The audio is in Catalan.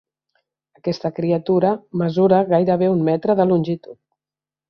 Aquesta criatura mesura gairebé un metre de longitud.